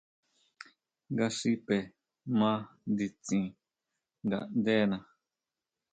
Nga xipe ma nditsin ngaʼndena.